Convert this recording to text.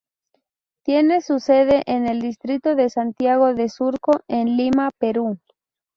Tiene su sede en el distrito de Santiago de Surco en Lima, Perú.